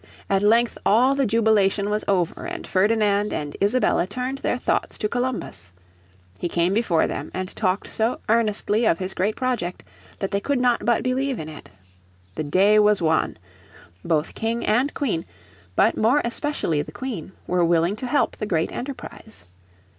At length all the jubilation was over, and Ferdinand and Isabella turned their thoughts to Columbus. He came before them and talked so earnestly of his great project that they could not but believe in it. The day was won. Both King and Queen, but more especially the Queen, were willing to help the great enterprise.